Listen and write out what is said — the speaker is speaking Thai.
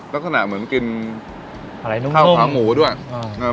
แล้วขนาดเหมือนกินอะไรข้าวขาวหมูด้วยอ่า